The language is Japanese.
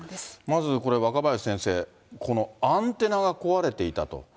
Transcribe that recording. まずこれ、若林先生、このアンテナが壊れていたと。